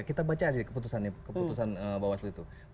kita baca aja keputusan bawaslu itu